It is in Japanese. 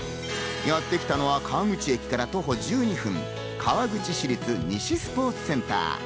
やってきたのは川口駅から徒歩１２分、川口市立西スポーツセンター。